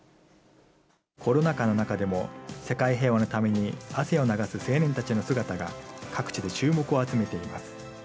コロナ禍の中でも世界平和のために汗を流す青年たちの姿が、各地で注目を集めています。